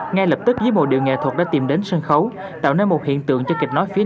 ngay lập tức dưới một điều nghệ thuật đã tìm đến sân khấu tạo nên một hiện tượng cho kịch nói phía